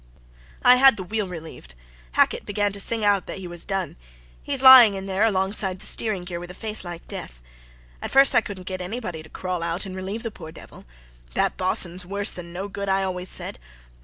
"I had the wheel relieved. Hackett began to sing out that he was done. He's lying in there alongside the steering gear with a face like death. At first I couldn't get anybody to crawl out and relieve the poor devil. That boss'n's worse than no good, I always said.